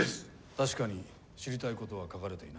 確かに知りたい事は書かれていない。